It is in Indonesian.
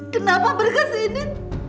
kenapa berkes ini